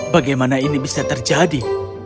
bagaimana ini bisa terjadi